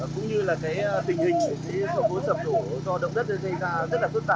cũng như là cái tình hình của cái sổ bố sập đổ do động đất này xây ra rất là phức tạp